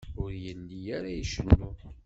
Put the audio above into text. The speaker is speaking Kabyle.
Ur yelli ara icennu.